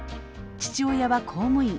父親は公務員。